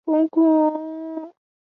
受长信卿之位。